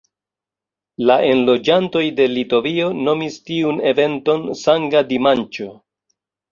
La enloĝantoj de Litovio nomis tiun eventon "Sanga Dimanĉo".